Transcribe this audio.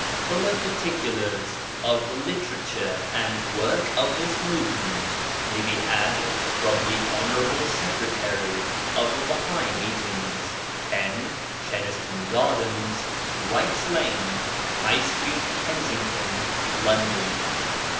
Fuller particulars of the Literature and work of this movement may be had from the Hon. Secretary of the Bahai meetings, 10, Cheniston Gardens, Wright's Lane, High St. Kensington^ London.